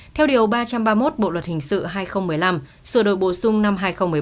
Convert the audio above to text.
theo điều ba trăm ba mươi một bộ luật hình sự hai nghìn một mươi năm sửa đổi bổ sung năm hai nghìn một mươi bảy